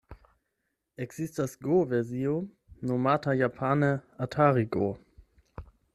Ekzistas go-versio nomata japane 'Atari-go'.